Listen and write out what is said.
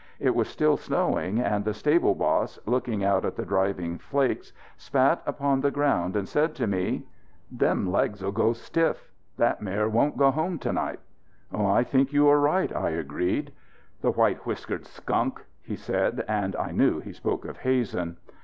It was still snowing, and the stable boss, looking out at the driving flakes, spat upon the ground and said to me: "Them legs'll go stiff. That mare won't go home to night." "I think you are right," I agreed. "The white whiskered skunk!" he said, and I knew he spoke of Hazen.